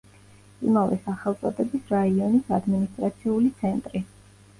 იმავე სახელწოდების რაიონის ადმინისტრაციული ცენტრი.